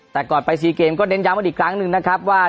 แต่ก่อนไป๔เกมก็เน้นย้ำกันอีกครั้งหนึ่งนะครับว่า